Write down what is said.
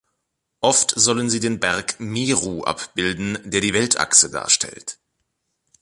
Oft sollen sie den Berg Meru abbilden, der die Weltachse darstellt.